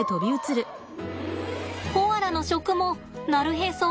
コアラの食もなるへそなんです。